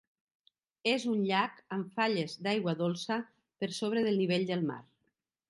És un llac amb falles d'aigua dolça per sobre del nivell del mar.